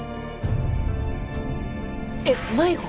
えっ迷子？